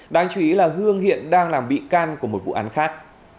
đáng chú ý là hương hiện đang làm bị can của một vụ án khác